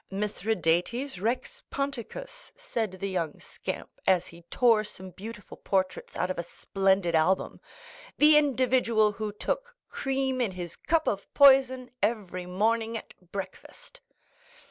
"Mithridates, rex Ponticus," said the young scamp, as he tore some beautiful portraits out of a splendid album, "the individual who took cream in his cup of poison every morning at breakfast."